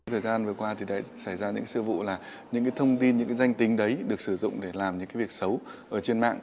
thời gian vừa qua thì đã xảy ra những sự vụ là những thông tin những danh tính đấy được sử dụng để làm những việc xấu trên mạng